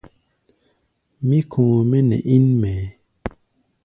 Mí kɔ̧ɔ̧ mɛ́ nɛ ín mɛɛ.